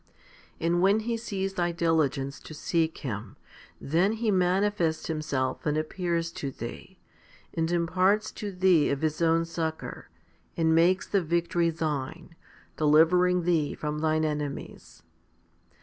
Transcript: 4. And when He sees thy diligence to seek Him, then He manifests Himself and appears to thee, and imparts to thee of His own succour, and makes the victory thine, delivering thee from thine enemies.